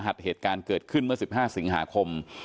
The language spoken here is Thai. เหตุการณ์เกิดขึ้นเมื่อ๑๕สิงหาคม